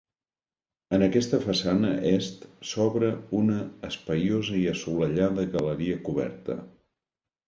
En aquesta façana est s'obre una espaiosa i assolellada galeria coberta.